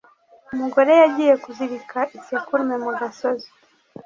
umugore yagiye kuzirika isekurume mu gasozi,